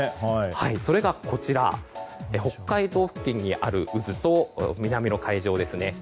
それが北海道付近にある渦と南の海上ですね。